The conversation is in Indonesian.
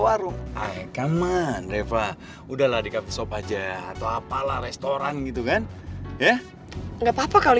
warung ayo come on reva udahlah di cafe shop aja atau apalah restoran gitu kan ya nggak papa kalau